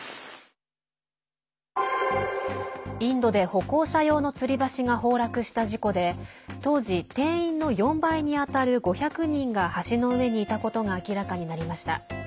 インドで歩行者用のつり橋が崩落した事故で当時、定員の４倍にあたる５００人が橋の上にいたことが明らかになりました。